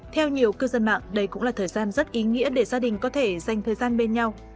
theo nhiều cư dân mạng đây cũng là thời gian rất ý nghĩa để gia đình có thể dành thời gian bên nhau